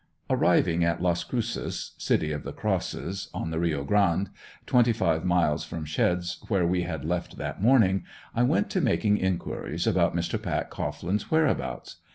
Arriving in Las Cruces, (City of the Crosses) on the Rio Grande, twenty five miles from Shedd's where we had left that morning, I went to making inquiries about Mr. Pat Cohglin's whereabouts.